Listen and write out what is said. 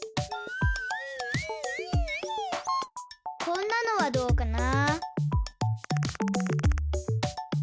こんなのはどうかな。